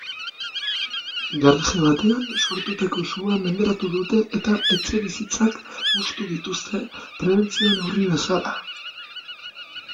Garaje batean sortutako sua menderatu dute eta etxebizitzak hustu dituzte prebentzio-neurri bezala.